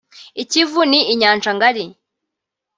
I Kivu ni inyanja ngari